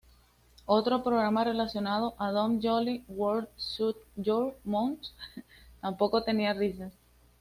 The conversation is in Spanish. Otro programa relacionado a Dom Joly, World Shut Your Mouth, tampoco tenía risas.